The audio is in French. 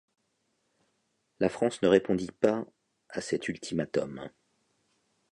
La France ne répondit pas à cet ultimatum.